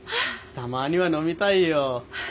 たまには飲みたいよ。